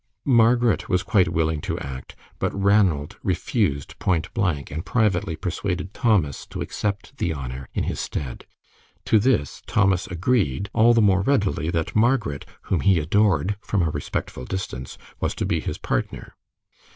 Margaret was quite willing to act, but Ranald refused point blank, and privately persuaded Thomas to accept the honor in his stead. To this Thomas agreed, all the more readily that Margaret, whom he adored from a respectful distance, was to be his partner.